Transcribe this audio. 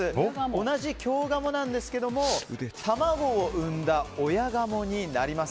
同じ京鴨なんですけども卵を産んだ親鴨になります。